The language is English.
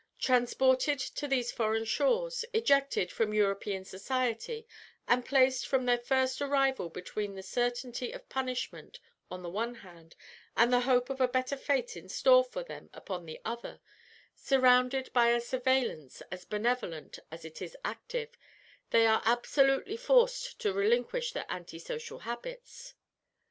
Transported to these foreign shores, ejected from European society, and placed from their first arrival between the certainty of punishment on the one hand and the hope of a better fate in store for them upon the other, surrounded by a surveillance as benevolent as it is active, they are absolutely forced to relinquish their anti social habits.